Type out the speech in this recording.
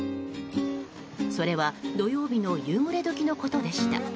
それは土曜日の夕暮れ時のことでした。